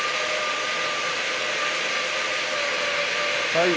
はい！